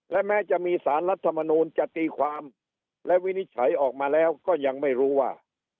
และแม้จะมีสารรัฐมนูลจะตีความและวินิจฉัยออกมาแล้วก็ยังไม่รู้ว่า